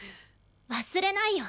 忘れないよ。